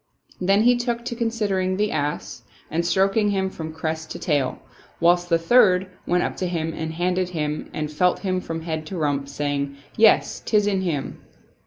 Then he took to considering the ass and stroking him from crest to tail ; whilst the third went up to him and handled him and felt him from head to rump, saying, "Yes, 'tis in him."